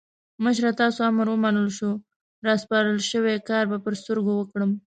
مشره تاسو امر ومنل شو؛ راسپارل شوی کار به پر سترګو وکړم.